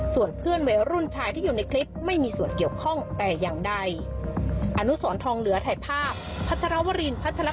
ส่วนเพื่อนวัยรุ่นชายที่อยู่ในคลิปไม่มีส่วนเกี่ยวข้องแต่อย่างใด